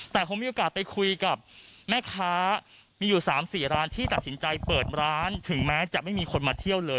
แต่ผมมีโอกาสไปคุยกับแม่ค้ามีอยู่๓๔ร้านที่ตัดสินใจเปิดร้านถึงแม้จะไม่มีคนมาเที่ยวเลย